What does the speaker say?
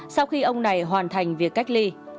sau khi ông này hoàn thành việc cách ly